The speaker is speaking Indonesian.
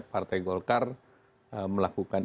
partai golkar melakukan